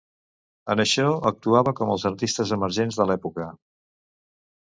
En això actuava com els artistes emergents de l'època.